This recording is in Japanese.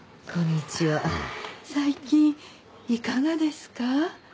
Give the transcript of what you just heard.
最近いかがですか？